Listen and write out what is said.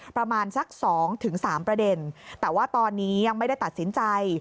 ประมาณสัก๒๓ประเด็นแต่ว่าตอนนี้ยังไม่ได้ตัดสินใจ